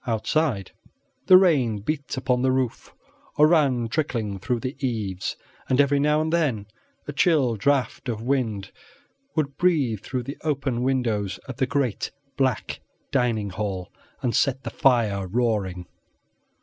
Outside, the rain beat upon the roof or ran trickling from the eaves, and every now and then a chill draught of wind would breathe through the open windows of the great black dining hall and set the fire roaring.